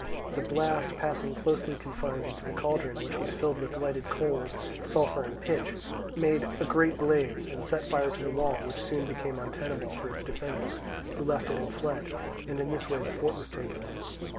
The blast passing closely confined into the cauldron, which was filled with lighted coals, sulphur and pitch, made a great blaze, and set fire to the wall, which soon became untenable for its defenders, who left it and fled; and in this way the fort was taken.